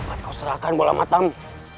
atau kau serahkan bola matamu